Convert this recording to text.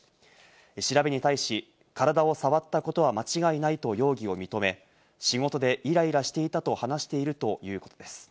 調べに対し、体を触ったことは間違いないと容疑を認め、仕事でイライラしていたと話しているということです。